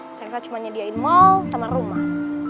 mereka cuma nyediain mal sama rumah